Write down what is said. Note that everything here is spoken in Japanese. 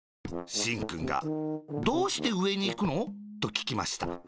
しんくんが「どうしてうえにいくの？」とききました。